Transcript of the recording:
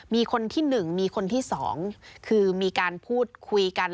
มีคนที่๑มีคนที่๒คือมีการพูดคุยกัน